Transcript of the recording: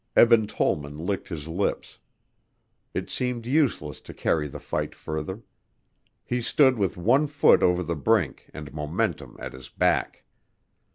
Eben Tollman licked his lips. It seemed useless to carry the fight further. He stood with one foot over the brink and momentum at his back.